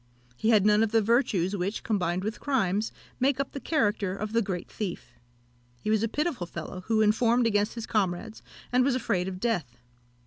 He had none of the virtues which, combined with crimes, make up the character of the great thief. He was a pitiful fellow, who informed against his comrades, and was afraid of death.